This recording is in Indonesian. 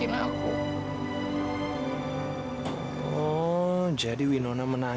kemudian mana kamu sudah menurut diri sendiri